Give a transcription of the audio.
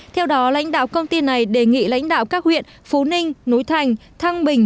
theo đó lãnh đạo công ty này đề nghị lãnh đạo các huyện phú ninh núi thành thăng bình